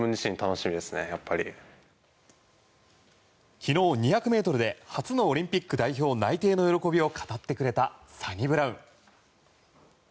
昨日、２００ｍで初のオリンピック代表内定の喜びを語ってくれたサニブラウン。